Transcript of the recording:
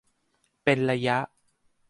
เป็นระยะ